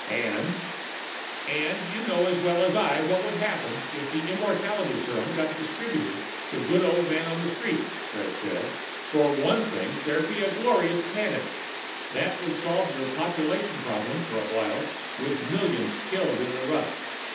"And " "And you know as well as I what would happen if that immortality serum got distributed to the good old man in the street," Fred said. "For one thing, there'd be a glorious panic. That would solve your population problem for, a while, with millions killed in the rush.